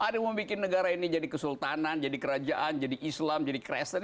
ada yang mau bikin negara ini jadi kesultanan jadi kerajaan jadi islam jadi kresten